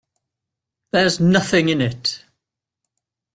There's nothing in it.